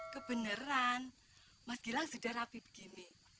kebenaran mas gilang sudah rapi begini